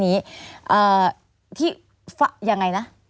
ที่ฟะยังไงนะ